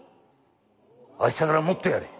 明日からもっとやれ。え？